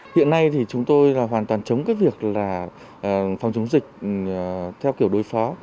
hiện nay thì chúng tôi là hoàn toàn chống cái việc là phòng chống dịch theo kiểu đối phó